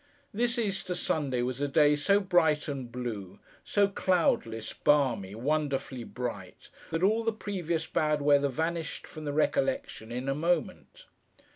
This Easter Sunday was a day so bright and blue: so cloudless, balmy, wonderfully bright: that all the previous bad weather vanished from the recollection in a moment.